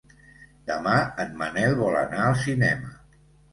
Demà en Manel vol anar al cinema.